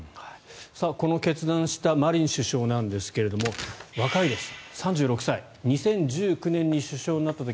この決断をしたマリン首相なんですが若いです。